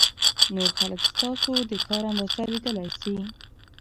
نور خلک ستاسو د کار اندازه لیدلای شي.